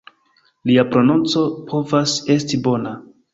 Lia prononco povas esti bona.